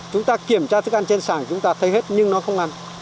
chúng ta kiểm tra thức ăn trên sảng chúng ta thấy hết nhưng nó không ăn